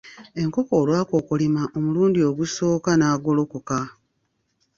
Enkoko olwakokolima omulundi ogusooka n'agolokoka.